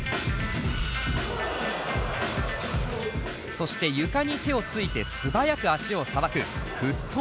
そして床に手をついて素早く足をさばくフットワーク。